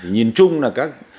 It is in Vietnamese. nhìn chung là các